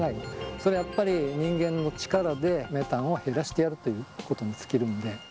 それやっぱり、人間の力でメタンを減らしてやるということに尽きるんで。